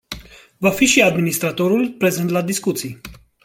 Va fi și administratorul prezent la discuții.